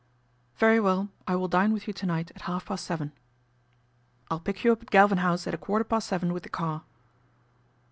" Very well, I will dine with you to night at half past seven." " I'll pick you up at Galvin House at a quarter past seven with the car."